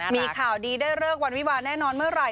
มีข่าวดีได้เลิกวันวิวาแน่นอนเมื่อไหร่